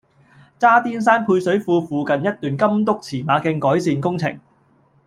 渣甸山配水庫附近一段金督馳馬徑改善工程